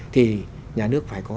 thì nhà nước phải có